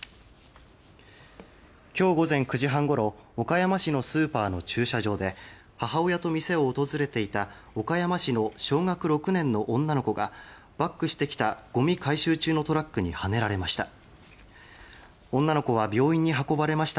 今日午前９時半ごろ岡山市のスーパーの駐車場で母親と店を訪れていた岡山市の小学６年の女の子がバックしてきたごみ回収中のトラックにはねられました。